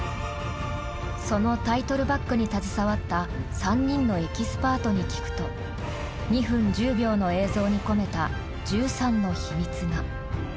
そのタイトルバックに携わった３人のエキスパートに聞くと２分１０秒の映像に込めた１３の秘密が。